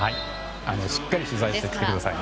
しっかり取材してくださいね。